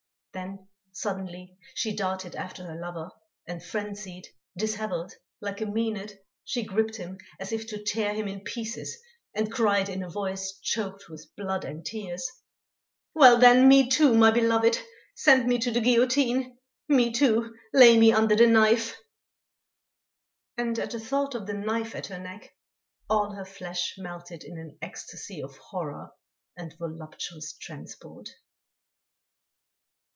Then, suddenly, she darted after her lover, and frenzied, dishevelled, like a Mænad, she gripped him as if to tear him in pieces and cried in a voice choked with blood and tears: "Well, then! me too, my beloved, send me to the guillotine; me too, lay me under the knife!" And, at the thought of the knife at her neck, all her flesh melted in an ecstasy of horror and voluptuous transport.